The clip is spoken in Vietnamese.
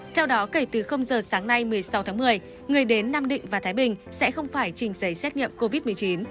theo đó kể từ giờ sáng nay một mươi sáu tháng một mươi người đến nam định và thái bình sẽ không phải trình giấy xét nghiệm covid một mươi chín